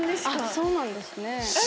そうなんですね。